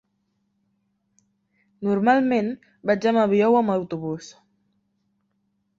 Normalment vaig amb avió o amb autobús.